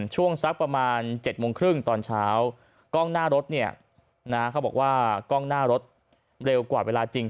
ช่วงสักประมาณ๗โมงครึ่งตอนเช้ากล้องหน้ารถเนี่ยนะเขาบอกว่ากล้องหน้ารถเร็วกว่าเวลาจริง